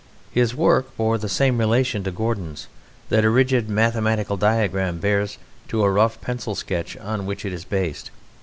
His work bore the same relation to Gordon's that a rigid mathematical diagram bears to a rough pencil sketch on which it is based.